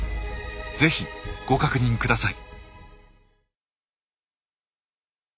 是非ご確認ください。